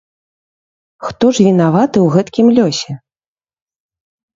Хто ж вінаваты ў гэткім лёсе?